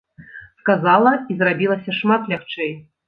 Сказала, і зрабілася шмат лягчэй.